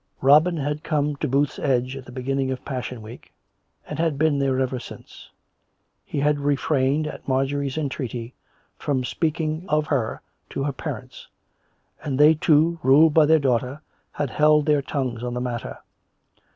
Robin had come to Booth's Edge at the beginning of Passion week, and had been there ever since. He had refrained, at Marjorie's entreaty, from speaking of her to her parents; and they, too, ruled by their daughter, had 96 COME RACK! COME ROPE! held their tongues on the matter.